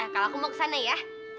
kalau aku mau kesana ya